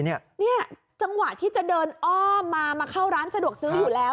จังหวะที่จะเดินอ้อมมามาเข้าร้านสะดวกซื้ออยู่แล้ว